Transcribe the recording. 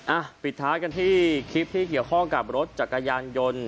อ่ะปิดท้ายกันที่คลิปที่เกี่ยวข้องกับรถจักรยานยนต์